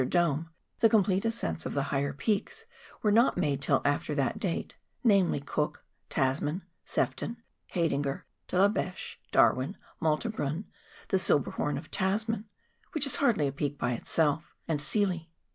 the Hoclistetter Dome, the complete ascents of the higher peaks were not made till after that date, namely, Cook, Tasman, Sefton, Haidinger, De la Beche, Darwin, Malta Brun, the Silberhorn of Tasman (which is hardly a peak by itself), and Sealy.